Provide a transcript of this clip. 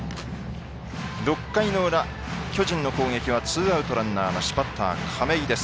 ６回の裏巨人の攻撃はツーアウトランナーなしバッターは亀井です。